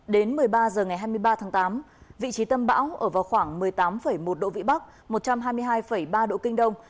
đến một mươi ba h ngày hai mươi ba tháng tám vị trí tâm bão ở vào khoảng một mươi tám một độ vĩ bắc một trăm hai mươi hai ba độ kinh đông